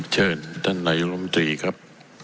เชิญท่านหน่อยุโมทรีครับ